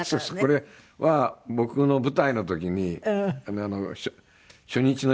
これは僕の舞台の時に初日の日に。